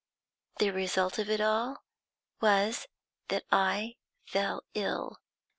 The result of it all was that I fell ill.